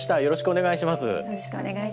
よろしくお願いします。